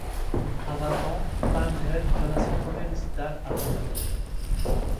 À vingt ans, Palmgren donna son premier récital à Pori.